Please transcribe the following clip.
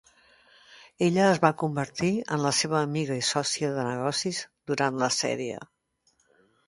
Ella es va convertir en la seva amiga i sòcia de negocis durant la sèrie.